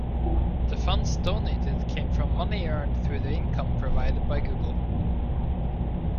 The funds donated came from money earned through the income provided by Google.